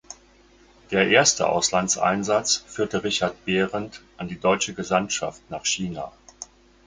Der erste Auslandseinsatz führte Richard Behrend an die deutsche Gesandtschaft nach China.